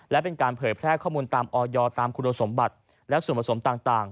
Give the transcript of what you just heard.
และเป็นการเผยแพร่ข้อมูลตามออยตามคุณสมบัติและส่วนผสมต่าง